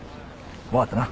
分かったな？